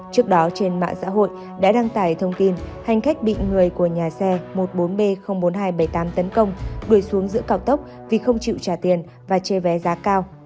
trước đó trên mạng xã hội đã đăng tải thông tin hành khách bị người của nhà xe một mươi bốn b bốn nghìn hai trăm bảy mươi tám tấn công đuổi xuống giữa cao tốc vì không chịu trả tiền và che vé giá cao